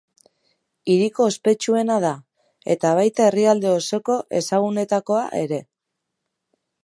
Hiriko ospetsuena da, eta baita herrialde osoko ezagunenetakoa ere.